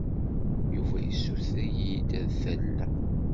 Yuba yessuter-iyi-d ad t-alleɣ.